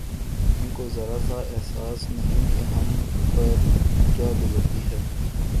ان کو ذرا سا احساس نہیں کہ ہم پر کیا گزرتی ہے